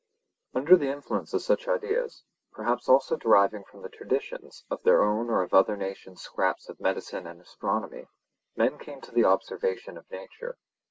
Under the influence of such ideas, perhaps also deriving from the traditions of their own or of other nations scraps of medicine and astronomy, men came to the observation of nature.